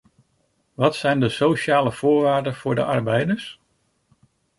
Wat zijn de sociale voorwaarden voor de arbeiders?